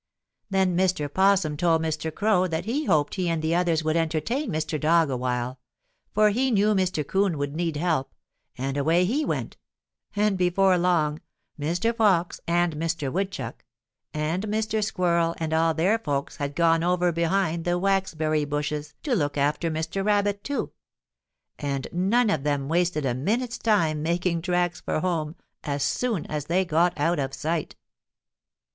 Then Mr. 'Possum told Mr. Crow that he hoped he and the others would entertain Mr. Dog a while, for he knew Mr. 'Coon would need help, and away he went, and before long Mr. Fox and Mr. Woodchuck, and Mr. Squirrel and all their folks had gone over behind the waxberry bushes to look after Mr. Rabbit too, and none of them wasted a minute's time making tracks for home as soon as they got out of sight.